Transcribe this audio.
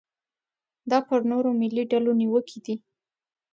دا پر نورو ملي ډلو نیوکې دي.